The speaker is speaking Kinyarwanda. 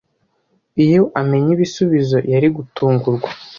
Iyo amenya ibisubizo, yari gutungurwa.